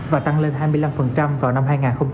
và tăng lên hai mươi năm vào năm hai nghìn hai mươi